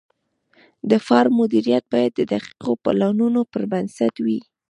د فارم مدیریت باید د دقیقو پلانونو پر بنسټ وي.